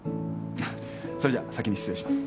それじゃ先に失礼します。